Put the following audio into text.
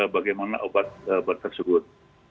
bagaimana obat tersebut